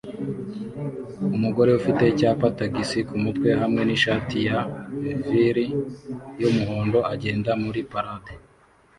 Umugore ufite icyapa "tagisi" kumutwe hamwe nishati ya vinyl yumuhondo agenda muri parade